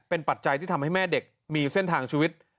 เป็นปัจจัยที่ทำให้แม่เด็กมีเส้นทางชีวิต